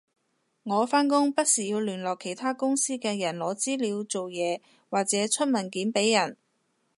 我返工不時要聯絡其他公司嘅人攞資料做嘢或者出文件畀人